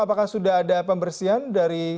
banyak sekali pohon yang tumbang